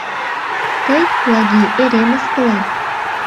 Тый, Плагий, эре мыскылет.